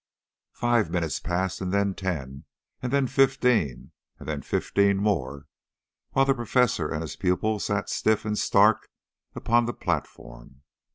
Five minutes passed, and then ten, and then fifteen, and then fifteen more, while the Professor and his pupil sat stiff and stark upon the platform.